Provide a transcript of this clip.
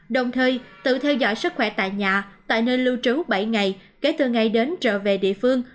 đồng thời tự theo dõi sức khỏe tại nhà tại nơi lưu trú bảy ngày kể từ ngày đến trở về địa phương